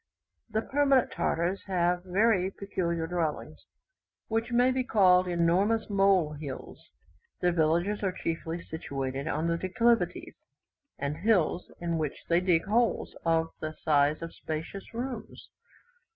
The permanent Tartars have very peculiar dwellings, which may be called enormous mole hills. Their villages are chiefly situated on declivities, and hills, in which they dig holes of the size of spacious rooms.